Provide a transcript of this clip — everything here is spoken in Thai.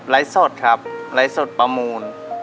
ไลค์สดครับไลค์สดประมูล